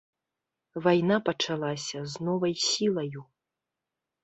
Вайна пачалася з новай сілаю.